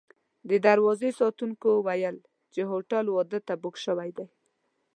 د دروازې ساتونکو ویل چې هوټل واده ته بوک شوی دی.